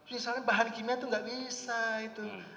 misalnya bahan kimia itu tidak bisa itu